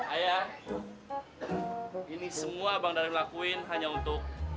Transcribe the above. ayah ini semua abang dali melakuin hanya untuk